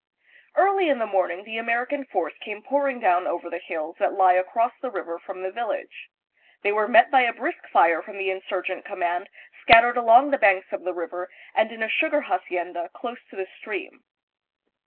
Early in the morning the American force came pouring down over the hills that lie across the river from the vil lage. They were met by a brisk fire from the insurgent command scattered along the banks of the river and in a sugar hacienda close to the stream.